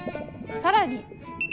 更に。